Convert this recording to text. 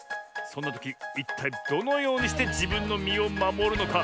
そんなときいったいどのようにしてじぶんのみをまもるのか。